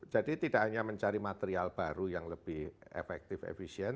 tidak hanya mencari material baru yang lebih efektif efisien